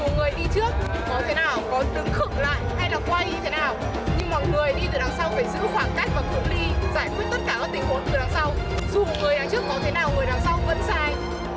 dù người đằng trước có thế nào người đằng sau vẫn sai